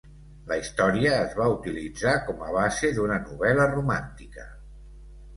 La història es va utilitzar com a base d'una novel·la romàntica.